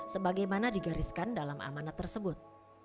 sebagaimana digariskan dalam amanat tersebut